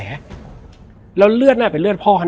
แล้วสักครั้งหนึ่งเขารู้สึกอึดอัดที่หน้าอก